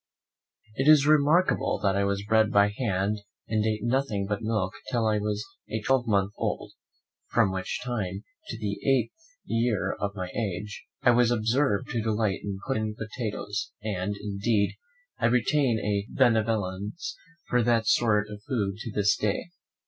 It is remarkable that I was bred by hand, and ate nothing but milk till I was a twelvemonth old; from which time, to the eighth year of my age, I was observed to delight in pudding and potatoes; and, indeed, I retain a benevolence for that sort of food to this day.